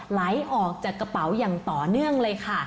ไหลออกจากกระเป๋าอย่างต่อเนื่องเลยค่ะ